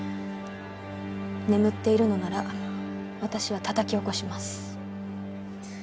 眠っているのなら私はたたき起こします。